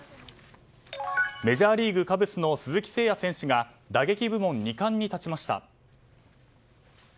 メジャーリーグカブスの鈴木誠也選手が打撃部門２冠に立ちました。